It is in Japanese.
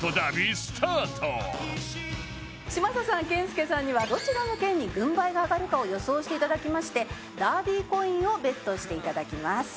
嶋佐さん健介さんにはどちらの県に軍配が上がるかを予想していただきましてダービーコインをＢＥＴしていただきます。